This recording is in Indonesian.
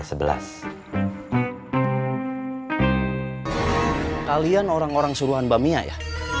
kalian orang orang suruhan bamia ya